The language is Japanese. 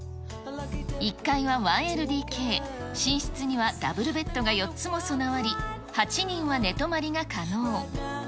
１階は１ＬＤＫ、寝室にはダブルベッドが４つも備わり、８人は寝泊まりが可能。